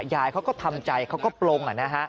ยายเขาก็ทำใจเขาก็ปลง